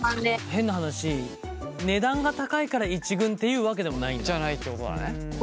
変な話値段が高いから１軍っていうわけでもないんだ？じゃないってことだね。